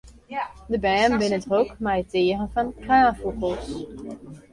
De bern binne drok mei it tearen fan kraanfûgels.